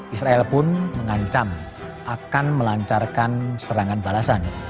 israel pun mengancam akan melancarkan serangan balasan